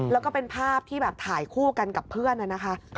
แล้วก็เป็นภาพที่แบบถ่ายคู่กันกับเพื่อนนะคะ